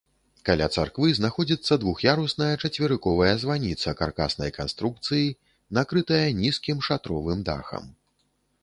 Каля царквы знаходзіцца двух'ярусная чацверыковая званіца каркаснай канструкцыі, накрытая нізкім шатровым дахам.